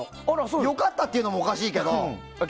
良かったっていうのもおかしいけど。